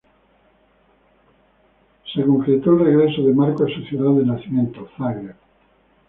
Se concretó el regreso de Marko a su ciudad de nacimiento, Zagreb.